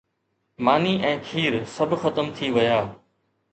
ماني ۽ کير سڀ ختم ٿي ويا.